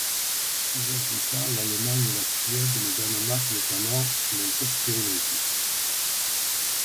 Plusieurs États, l’Allemagne, la Suède, le Danemark notamment, l’ont expérimenté.